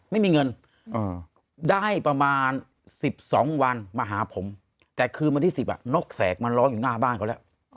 ไม่มีเงินได้ประมาณ๑๒วันมาหาผมแต่คืนวันที่๑๐นกแสกมันร้องอยู่หน้าบ้านเขาแล้ว